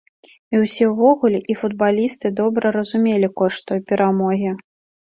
І ўсе ўвогуле, і футбалісты добра разумелі кошт той перамогі.